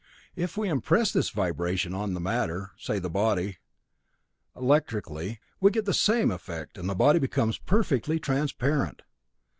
If we impress this vibration on the matter, say the body, electrically, we get the same effect and the body becomes perfectly transparent.